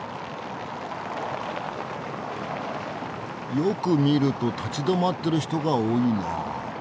よく見ると立ち止まってる人が多いなあ。